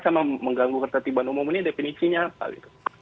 sama mengganggu ketatiban umum ini definisinya apa